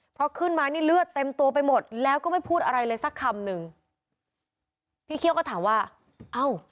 เพราะขึ้นมานี่เลือดเต็มตัวไปหมดแล้วก็ไม่พูดอะไรเลยสักคำหนึ่งพี่เคี่ยวก็ถามว่าเอ้า